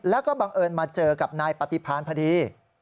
แล้วก็บังเอิญมาเจอกับนายปฏิพาณพอดี